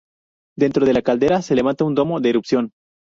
Dentro de la caldera se levanta un domo de erupción.